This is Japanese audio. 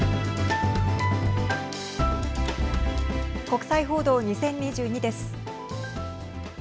国際報道２０２２です。